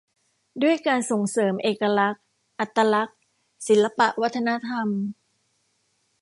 ด้วยการส่งเสริมเอกลักษณ์ อัตลักษณ์ ศิลปวัฒนธรรม